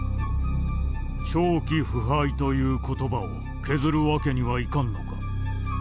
「長期不敗」という言葉を削る訳にはいかんのか。